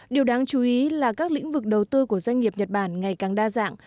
điều đáng chú ý là các lĩnh vực đầu tư của doanh nghiệp nhật bản ngày càng đa dạng